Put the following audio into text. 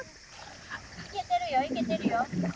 いけてるよいけてるよ。